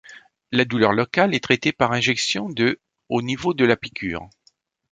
La douleur locale est traitée par injection de au niveau de la piqûre.